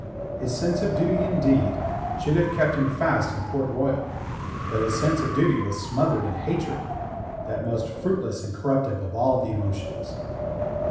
His sense of duty, indeed, should have kept him fast in Port Royal; but his sense of duty was smothered in hatred that most fruitless and corruptive of all the emotions.